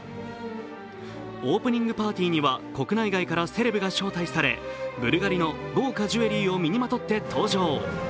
オープニングパーティーには国内外からセレブが招待され、ブルガリの豪華ジュエリーを身にまとって登場。